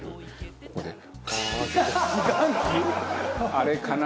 あれかな。